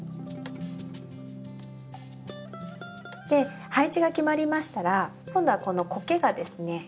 で配置が決まりましたら今度はこのコケがですね